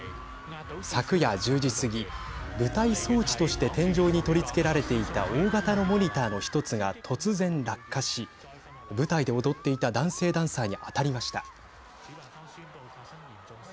昨夜１０時過ぎ舞台措置として天井に取り付けられていた大型のモニターの１つが突然落下し舞台で踊っていた男性ダンサーに当たりました。